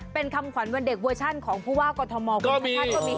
เป็นคำขวัญวันเด็กเวอร์ชั่นของภูมิว่ากฎธมคุณธรรมดิกับมี